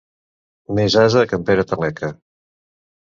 Més ase que en Pere Taleca.